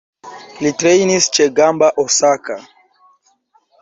Li trejnis ĉe Gamba Osaka.